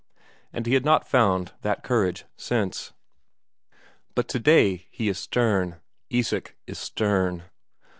And he had not found that courage since. But today he is stern; Isak is stern.